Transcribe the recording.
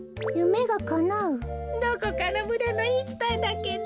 どこかのむらのいいつたえだけど。